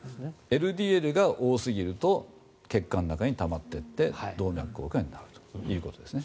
ＬＤＬが多すぎると血管の中にたまっていって動脈硬化になるということですね。